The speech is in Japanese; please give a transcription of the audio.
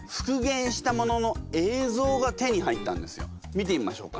見てみましょうか。